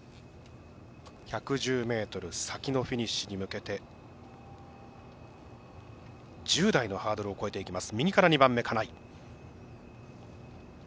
１１０ｍ先のフィニッシュに向けて１０台のハードルを越えていきます。